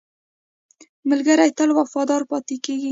ملګری تل وفادار پاتې کېږي